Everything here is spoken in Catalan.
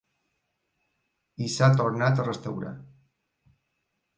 I s'ha tornat a restaurar.